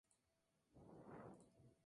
Nada de eso importa ya.